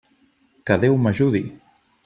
Que Déu m'ajudi!